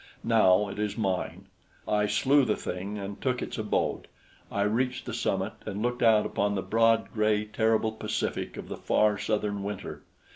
Now it is mine. I slew the thing and took its abode. I reached the summit and looked out upon the broad gray terrible Pacific of the far southern winter.